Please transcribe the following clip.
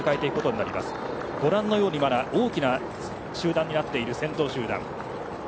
ご覧のように大きな集団になっている先頭集団です。